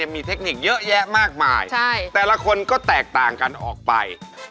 มีเทคนิคเยอะแยะมากมายแต่ละคนก็แตกต่างกันออกไป